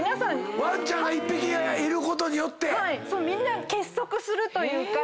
ワンちゃんがいることによって⁉みんな結束するというか。